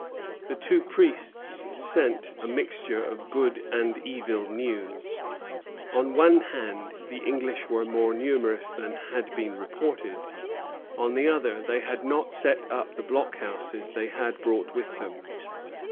The two priests sent a mixture of good and evil news. On one hand the English were more numerous than had been reported; on the other, they had not set up the blockhouses they had brought with them.